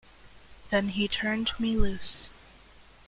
Then he turned me loose.